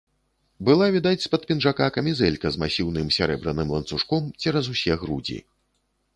Была відаць з-пад пінжака камізэлька з масіўным сярэбраным ланцужком цераз усе грудзі.